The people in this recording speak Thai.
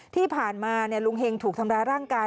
ที่ผ่านมาลุงเฮงถูกทำร้ายร่างกาย